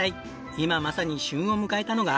今まさに旬を迎えたのが。